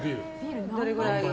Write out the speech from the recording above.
どれくらい？